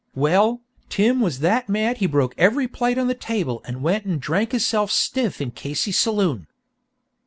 Well, Tim was that mad he broke every plate on the table an' then went and drank hisself stiff in Casey's saloon."